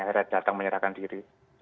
akhirnya datang menyerahkan diri